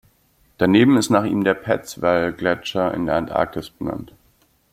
Daneben ist nach ihm der Petzval-Gletscher in der Antarktis benannt.